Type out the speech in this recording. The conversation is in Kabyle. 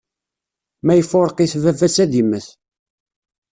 ma ifurq-it, baba-s ad immet.